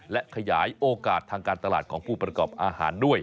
และขยายโอกาสทางการตลาดของผู้ประกอบอาหารด้วย